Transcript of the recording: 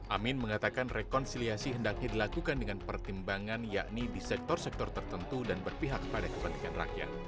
amin mengatakan rekonsiliasi hendaknya dilakukan dengan pertimbangan yakni di sektor sektor tertentu dan berpihak pada kepentingan rakyat